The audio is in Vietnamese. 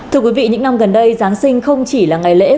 thưa quý vị những năm gần đây giáng sinh không chỉ là ngày lễ